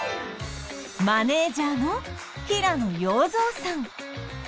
マネージャーの平野陽三さん